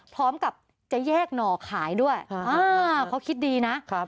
พร้อมกับจะแยกหน่อขายด้วยเขาคิดดีนะ